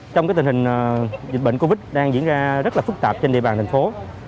trong tình hình dịch bệnh covid đang diễn ra rất là phức tạp trên địa bàn thành phố